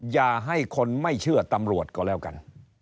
อย่าให้คนไม่เชื่อตำรวจก็แล้วกัน